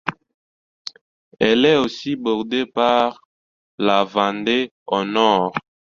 Elle est aussi bordée par la Vendée au nord.